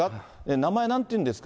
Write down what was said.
名前なんていうんですか？